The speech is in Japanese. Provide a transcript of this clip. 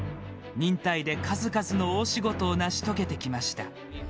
忍耐で数々の大仕事を成し遂げてきました。